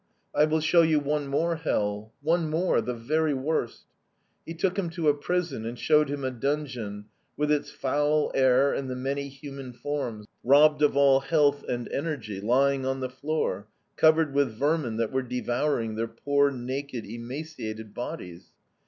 I will show you one more hell one more, the very worst.' "He took him to a prison and showed him a dungeon, with its foul air and the many human forms, robbed of all health and energy, lying on the floor, covered with vermin that were devouring their poor, naked, emaciated bodies.